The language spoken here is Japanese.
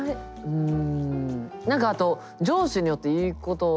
うん。